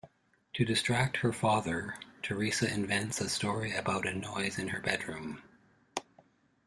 To distract her father, Teresa invents a story about a noise in her bedroom.